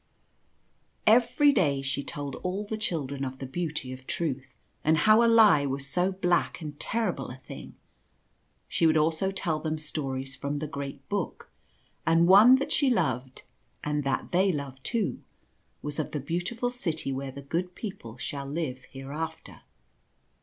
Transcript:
Every day she told all the children of the beauty of Truth and how a lie was so black and terrible a thing. She would also tell them stories from the Great Book ; and one that she loved, and that they loved too, was of the Beautiful City where the good people shall live hereafter.